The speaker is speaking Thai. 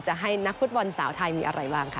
ให้นักฟุตบอลสาวไทยมีอะไรบ้างคะ